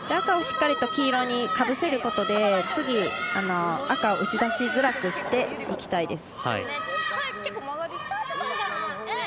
赤をしっかりと黄色にかぶせることで、次赤、打ち出しづらくしていきたいです。